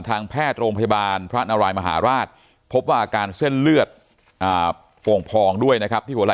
ทางแพทย์โรงพยาบาลพระนรายมหาราชพบว่าการเส้นเลือดอ่า